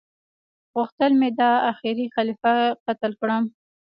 غوښتل مي دا اخيري خليفه قتل کړم